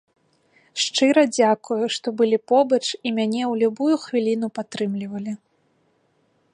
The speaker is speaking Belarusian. Шчыра дзякую, што былі побач і мяне ў любую хвіліну падтрымлівалі!